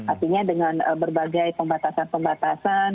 artinya dengan berbagai pembatasan pembatasan